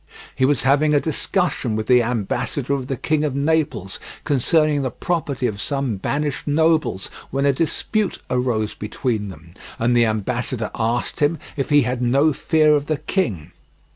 He was having a discussion with the ambassador of the King of Naples concerning the property of some banished nobles, when a dispute arose between them, and the ambassador asked him if he had no fear of the king.